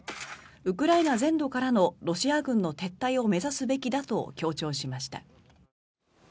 ウクライナ全土からのロシア軍の撤退を目指すべきだと強調しました。